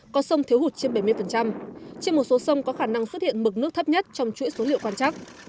có sông thiếu hụt trên bảy mươi trên một số sông có khả năng xuất hiện mực nước thấp nhất trong chuỗi số liệu quan trắc